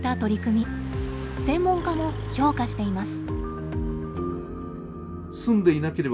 専門家も評価しています。